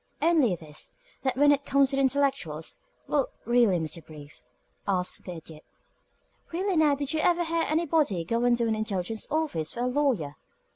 "Only this, that when it comes to the intellectuals Well, really, Mr. Brief," asked the Idiot, "really now, did you ever hear of anybody going to an intelligence office for a lawyer?"